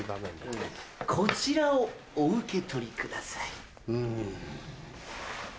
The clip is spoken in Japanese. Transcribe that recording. こちらをお受け取りください。